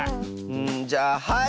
んじゃあはい！